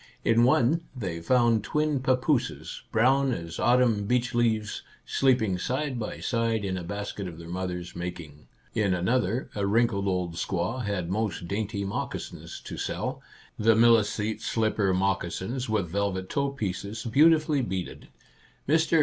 In one they found twin papooses, brown as autumn beech leaves, sleeping side by side in a basket of their mother's making. In another a wrinkled old squaw had most dainty moccasins to sell, Our Little Canadian Cousin 37 the Milicete slipper moccasins, with velvet toe pieces beautifully beaded. Mr.